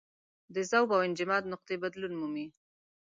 د ذوب او انجماد نقطې بدلون مومي.